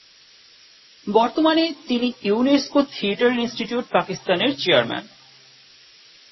বর্তমানে তিনি UNESCO theatre institute পাকিস্তানের চেয়ারম্যান।